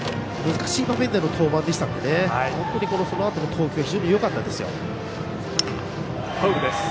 難しい場面での登板でしたのでそのあとの投球非常によかったです。